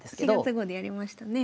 ４月号でやりましたね。